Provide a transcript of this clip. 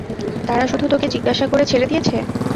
তারা শুধু তোকে জিজ্ঞাসা করে ছেড়ে দিয়েছে।